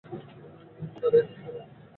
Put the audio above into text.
দাঁড়িয়ে আছিস কেনো?